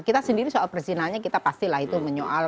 kita sendiri soal persinalnya kita pastilah itu menyoal